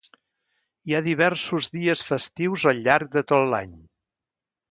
Hi ha diversos dies festius al llarg de tot l'any.